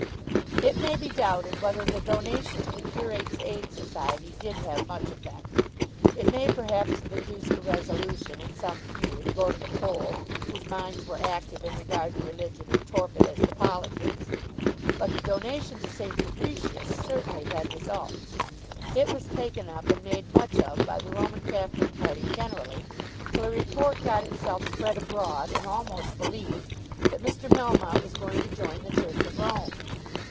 It may be doubted whether the donation to the Curates' Aid Society did have much effect. It may perhaps have induced a resolution in some few to go to the poll whose minds were active in regard to religion and torpid as to politics. But the donation to St. Fabricius certainly had results. It was taken up and made much of by the Roman Catholic party generally, till a report got itself spread abroad and almost believed that Mr. Melmotte was going to join the Church of Rome.